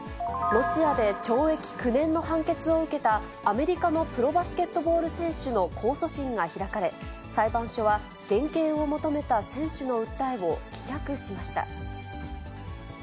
ロシアで懲役９年の判決を受けた、アメリカのプロバスケットボール選手の控訴審が開かれ、裁判所は、減刑を求めた選手の訴えを棄却しました。